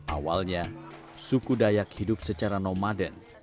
awalnya suku dayak hidup secara nomaden